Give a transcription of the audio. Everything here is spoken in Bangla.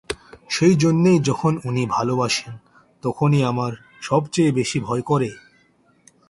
সেই জন্যেই যখন উনি ভালোবাসেন তখনই আমার সব চেয়ে বেশি ভয় করে।